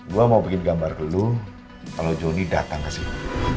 gue mau bikin gambar dulu kalau johnny datang ke sini